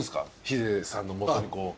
ヒデさんの元にこう。